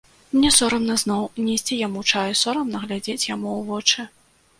Мне сорамна зноў несці яму чай, сорамна глядзець яму ў вочы.